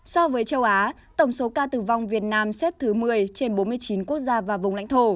so với châu á tổng số ca tử vong việt nam xếp thứ một mươi trên bốn mươi chín quốc gia và vùng lãnh thổ